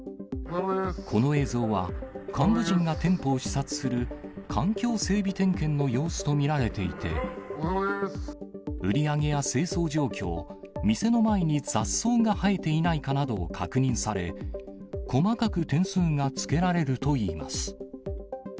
この映像は幹部陣が店舗を視察する、環境整備点検の様子と見られていて、売り上げや清掃状況、店の前に雑草が生えていないかなどを確認され、細かく点数がつけられるといいます。